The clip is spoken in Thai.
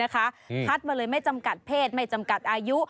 คัดมาเลยไม่จำกัดเพศไม่จำกัดอายุ